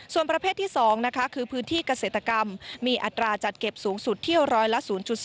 ส่วนประเภทที่๒นะคะคือพื้นที่เกษตรกรรมมีอัตราจัดเก็บสูงสุดเที่ยวร้อยละ๐๒